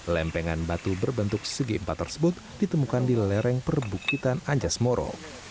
lempengan batu berbentuk segi empat tersebut ditemukan di lereng perbukitan anjas moro